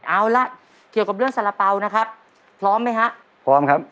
เอาล่ะเกี่ยวกับเรื่องสารเป๋านะครับพร้อมไหมฮะพร้อมครับ